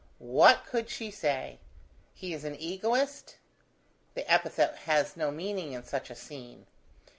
What could she say? he is an Egoist? The epithet has no meaning in such a scene.